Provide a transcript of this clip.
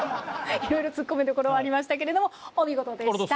いろいろ突っ込みどころはありましたけれどもお見事でした。